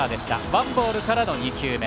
ワンボールからの２球目。